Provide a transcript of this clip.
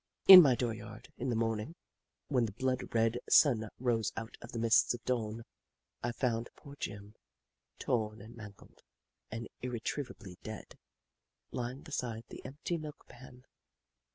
In my dooryard, in the morning, when the blood red sun rose out of the mists of dawn, I found poor Jim, torn and mangled and irretrievably dead, lying beside the empty milk pan.